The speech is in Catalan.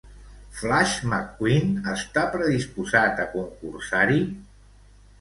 Flash McQueen està predisposat a concursar-hi?